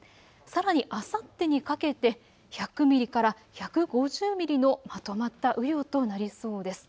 さらにあさってにかけて１００ミリから１５０ミリのまとまった雨量となりそうです。